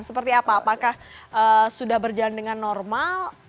seperti apa apakah sudah berjalan dengan normal